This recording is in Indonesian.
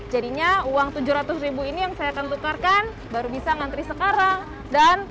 jadinya uang tujuh ratus ribu ini yang saya akan tukarkan baru bisa nganteri sekarang